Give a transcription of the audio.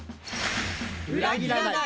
裏切らない！